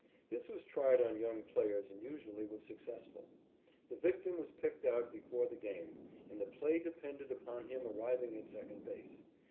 This was tried on young players and usually was successful. The victim was picked out before the game, and the play depended upon him arriving at second base.